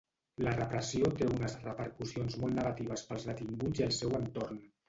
La repressió té unes repercussions molt negatives pels detinguts i el seu entorn.